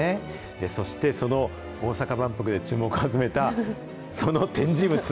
そして、その大阪万博で注目を集めたその展示物。